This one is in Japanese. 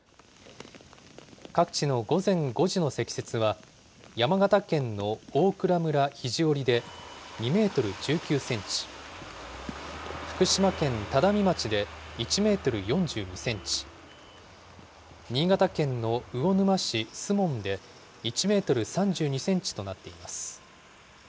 各地の午前５時の積雪は、山形県の大蔵村肘折で２メートル１９センチ、福島県只見町で１メートル４２センチ、新潟県の魚沼市守門で１メートル３２センチとなっています。